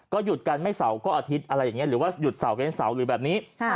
หยุดกันไม่เสาร์ก็อาทิตย์อะไรอย่างนี้หรือว่าหยุดเสาเว้นเสาร์หรือแบบนี้